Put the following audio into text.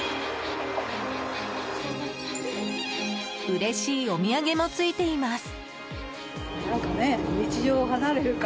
うれしいお土産もついています。